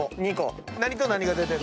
何と何が出てる？